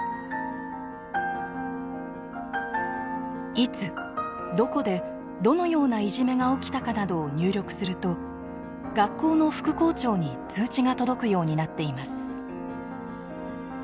いつどこでどのようないじめが起きたかなどを入力すると学校の副校長に通知が届くようになっています。